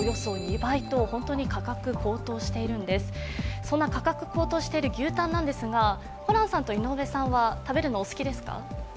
そんな高騰している牛タンなんですが、ホランさんと井上さんは食べるのお好きですか？